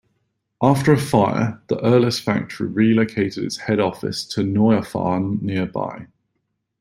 After a fire, the Erlus factory relocated its head office to Neufahrn nearby.